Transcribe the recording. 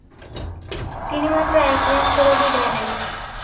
তিনি মাত্র এক রান করে বিদায় নেন।